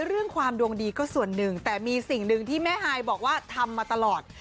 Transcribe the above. เรื่องความดวงดีก็ส่วนหนึ่งแต่มีสิ่งหนึ่งที่แม่ฮายบอกว่าทำมาตลอด